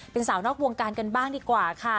เป็นสาวนอกวงการกันบ้างดีกว่าค่ะ